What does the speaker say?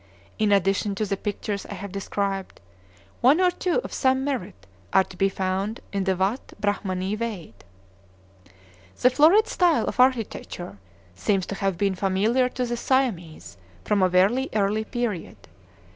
In addition to the pictures I have described, one or two of some merit are to be found in the Watt Brahmanee Waid. The florid style of architecture seems to have been familiar to the Siamese from a very early period.